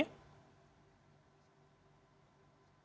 ya kita lakukan